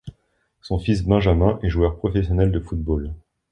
Son fils Benjamin est joueur professionnel de football.